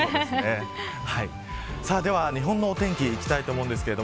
では日本のお天気いきたいと思います。